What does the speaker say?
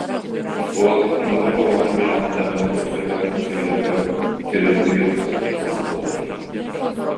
Суол норуот олоҕун-дьаһаҕын таһыма тупсарыгар, сайдарыгар сүрүннүүр хорук тымыр буолар